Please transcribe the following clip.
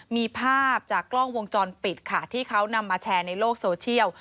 มีภาพจากกล้องวงจรปิดค่ะที่เขานำมาแชร์ในโลกโซเชียล